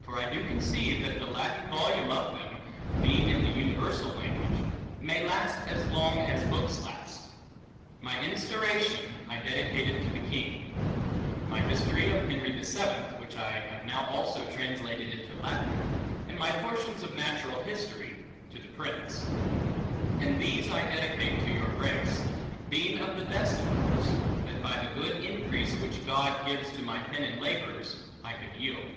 For I doe conceive, that the Latine Volume of them, (being in the Universall Language) may last, as long as Bookes last. My Instauration, I dedicated to the King: My Historie of Henry the Seventh, (which I have now also translated into Latine) and my Portions of Naturall History, to the Prince: And these I dedicate to your Grace; Being of the best Fruits, that by the good Encrease, which God gives to my Pen and Labours, I could yeeld.